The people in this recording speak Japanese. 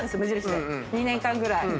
２年間ぐらい。